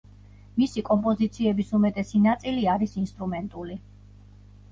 მისი კომპოზიციების უმეტესი ნაწილი არის ინსტრუმენტული.